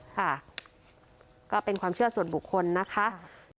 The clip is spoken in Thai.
ค่ะก็เป็นความเชื่อส่วนบุคคลนะคะ